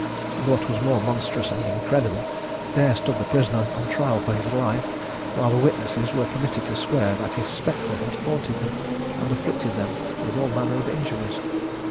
And what was more monstrous and incredible, there stood the prisoner on trial for his life, while the witnesses were permitted to swear that his spectre had haunted them, and afflicted them with all manner of injuries!